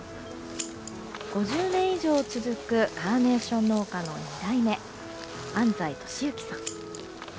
５０年以上続くカーネーション農家の２代目安西俊之さん。